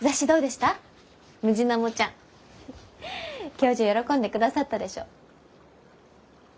教授喜んでくださったでしょ？